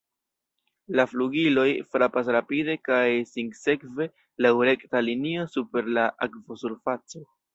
La flugiloj frapas rapide kaj sinsekve laŭ rekta linio super la akvosurfaco.